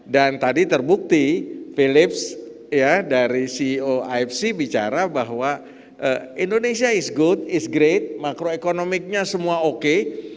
dan tadi terbukti philips dari ceo afc bicara bahwa indonesia is good is great makroekonomiknya semua oke